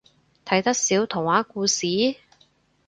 睇得少童話故事？